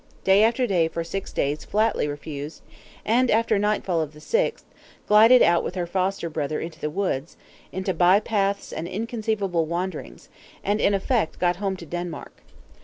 Day after day, for six days, flatly refused; and after nightfall of the sixth, glided out with her foster brother into the woods, into by paths and inconceivable wanderings; and, in effect, got home to Denmark.